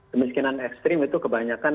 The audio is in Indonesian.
kemiskinan ekstrim itu kebanyakan